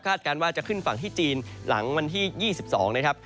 การว่าจะขึ้นฝั่งที่จีนหลังวันที่๒๒นะครับ